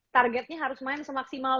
targetnya harus main semaksimal